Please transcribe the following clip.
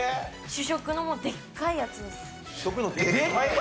主食のでっかいやつ？